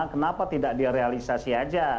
kenapa tidak direalisasi saja